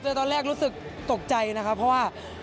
ตอนแรกรู้สึกตกใจนะครับเพราะว่า